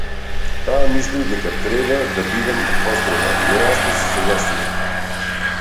Таа мисли дека треба да бидам построга, но јас не се согласувам.